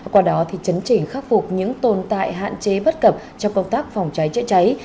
qua đó thì chấn chỉnh khắc phục những tồn tại hạn chế bất cập trong công tác phòng cháy chế cháy